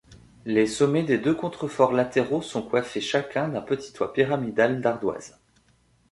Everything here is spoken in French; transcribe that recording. Les sommets des deux contreforts latéraux sont coiffés chacun d'un petit toit pyramidal d'ardoise.